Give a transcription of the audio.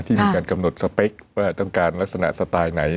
มีการกำหนดสเปคว่าต้องการลักษณะสไตล์ไหน